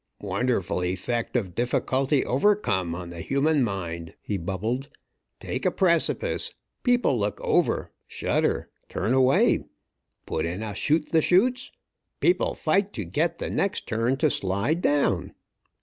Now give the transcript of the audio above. "Wonderful effect of difficulty overcome on the human mind!" he bubbled. "Take a precipice. People look over, shudder, turn away. Put in a shoot the chutes. People fight to get the next turn to slide down.